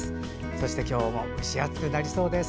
そして今日も蒸し暑くなりそうです。